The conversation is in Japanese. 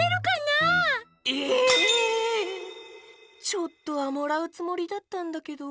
ちょっとはもらうつもりだったんだけど。